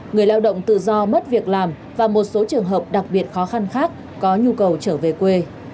người lao động tự do mất việc làm và một số trường hợp đặc biệt khó khăn khác có nhu cầu trở về quê